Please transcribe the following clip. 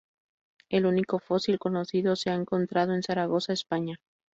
El único fósil conocido se ha encontrado en Zaragoza, España.